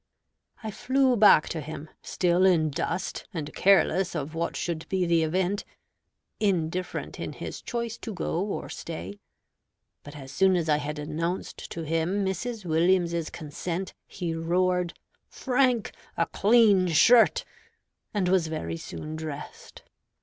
I flew back to him, still in dust, and careless of what should be the event, "indifferent in his choice to go or stay;" but as soon as I had announced to him Mrs. Williams's consent, he roared, "Frank, a clean shirt," and was very soon dressed.